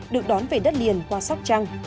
được đón về đất liền qua sóc trăng